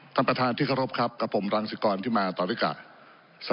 ท่านประธานที่เคารพครับกับผมรังสิกรที่มาต่อด้วยการ